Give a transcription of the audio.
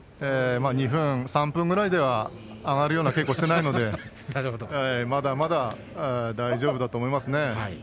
２分、３分ぐらいでは上がるような稽古をしてないのでまだまだ大丈夫だと思いますね。